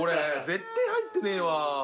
絶対入ってねえわ。